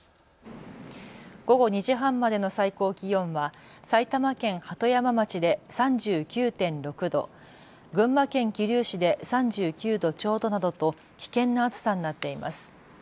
午後２時半までの最高気温は埼玉県鳩山町で３９．６度、群馬県桐生市で３９度ちょうどなどと危険な暑さになっています。